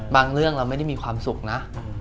เรื่องเราไม่ได้มีความสุขนะ